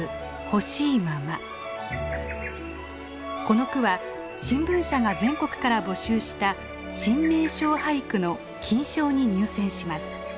この句は新聞社が全国から募集した新名勝俳句の金賞に入選します。